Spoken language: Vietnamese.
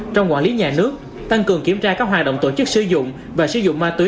trong quản lý nhà nước tăng cường kiểm tra các hoạt động tổ chức sử dụng và sử dụng ma túy